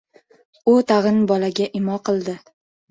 — U tag‘in bolaga imo qildi.